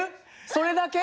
それだけ？